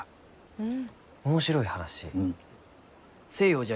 うん。